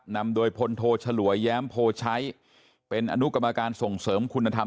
นำโดยพลโทฉลวยแย้มโพชัยเป็นอนุกรรมการส่งเสริมคุณธรรม